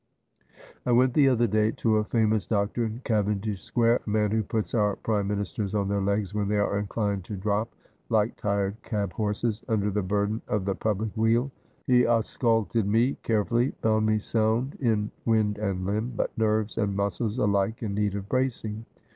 I went the other day to a famous doctor in Cavendish Square, a man who puts our prime ministers on their legs when they are inclined to drop, like tired cab horses, under the burden of the public weal. He ausculted me carefully, found me sound in wind and limb, but nerves and muscles alike in need of bracing.